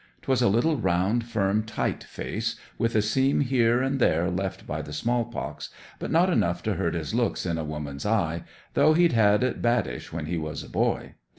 'Twas a little, round, firm, tight face, with a seam here and there left by the smallpox, but not enough to hurt his looks in a woman's eye, though he'd had it badish when he was a boy.